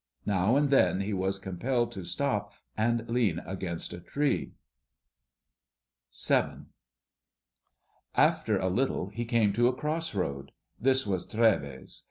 Now and then he was compelled to stop and lean against a tree. VII. After a little he came to a cross road. This was Trèves.